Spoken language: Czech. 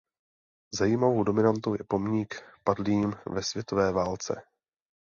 Zajímavou dominantou je pomník padlým ve světové válce.